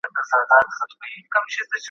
وارث په بېړه له حجرې نه راووت.